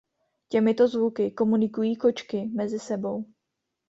Těmito zvuky komunikují kočky mezi sebou.